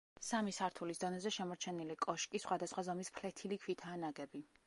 სამი სართულის დონეზე შემორჩენილი კოშკი, სხვადასხვა ზომის ფლეთილი ქვითაა ნაგები.